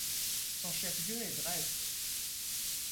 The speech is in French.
Son chef-lieu est Dresde.